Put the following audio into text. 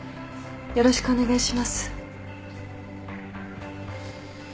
よろしくお願いします。